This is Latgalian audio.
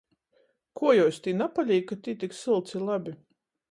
Kuo juos tī napalīk, ka tī tik sylts i labi?